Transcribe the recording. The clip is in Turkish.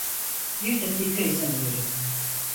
Bir dakika izin verin.